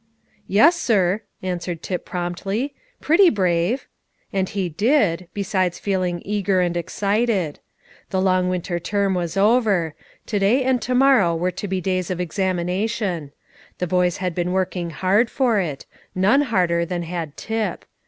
"Yes, sir," answered Tip promptly; "pretty brave." And he did, besides feeling eager and excited. The long winter term was over; to day and tomorrow were to be days of examination. The boys had been working hard for it, none harder than had Tip.